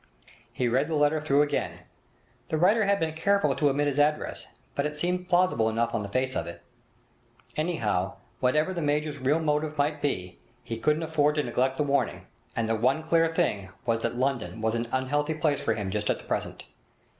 He read the letter through again. The writer had been careful to omit his address, but it seemed plausible enough on the face of it. Anyhow, whatever the major's real motive might be, he couldn't afford to neglect the warning, and the one clear thing was that London was an unhealthy place for him just at present.